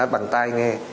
bằng tay nghe